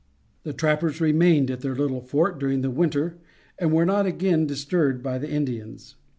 The trappers remained at their little fort during the winter and were not again disturbed by the Indians.